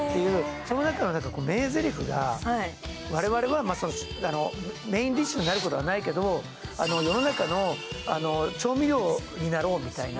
その中の名ぜりふが、我々はメインディッシュにはならないけど世の中の調味料になろうみたいな。